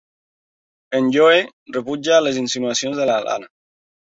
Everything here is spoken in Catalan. En Joe rebutja les insinuacions de la Lana.